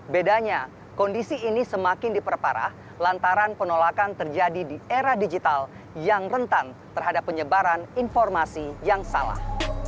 bedanya kondisi ini semakin diperparah lantaran penolakan terjadi di era digital yang rentan terhadap penyebaran informasi yang salah